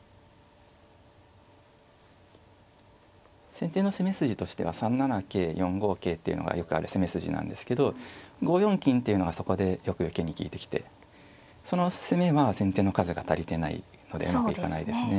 先手の攻め筋としては３七桂４五桂っていうのがよくある攻め筋なんですけど５四金っていうのはそこでよく受けに利いてきてその攻めは先手の数が足りてないのでうまくいかないですね。